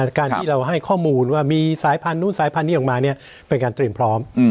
การที่เราให้ข้อมูลว่ามีสายพันธุ์สายพันธุ์นี้ออกมาเนี่ยเป็นการเตรียมพร้อม